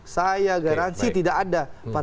saya garansi tidak ada